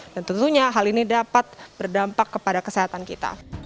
dan tentunya hal ini dapat berdampak kepada kesehatan kita